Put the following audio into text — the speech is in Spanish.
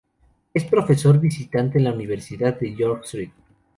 Es profesor visitante en la Universidad de York St.